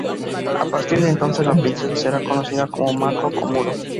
A partir de entonces, la princesa será conocida como Mako Komuro.